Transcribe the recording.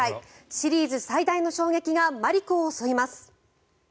シリーズ最大の衝撃がマリコを襲います。